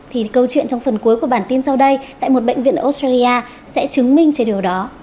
thì câu chuyện trong phần cuối của bản tin sau đây tại một bệnh viện ở australia sẽ chứng minh cho điều đó